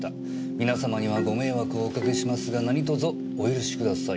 「皆さまにはご迷惑をおかけしますが何卒お許しください。